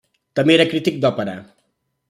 També era crític d'òpera.